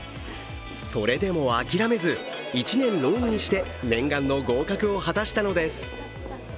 それでも諦めず１年浪人して念願の合格を果たしたのです。